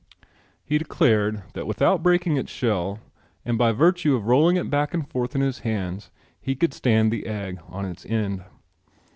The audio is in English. He declared that without breaking its shell and by virtue of rolling it back and forth in his hands he could stand the egg on its end.